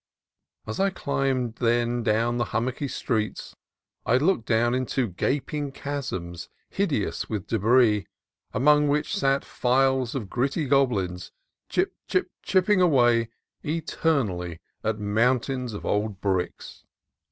As I climbed then along the hummocky streets I had looked down into gaping chasms hideous with debris, among which sat files of gritty goblins, chip, chip, chipping away eternally at mountains of old bricks.